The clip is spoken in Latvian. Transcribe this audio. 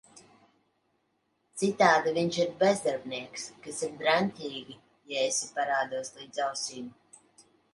Citādi viņš ir bezdarbnieks - kas ir draņķīgi, ja esi parādos līdz ausīm…